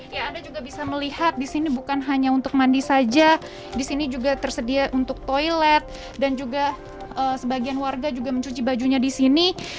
ya anda juga bisa melihat di sini bukan hanya untuk mandi saja di sini juga tersedia untuk toilet dan juga sebagian warga juga mencuci bajunya di sini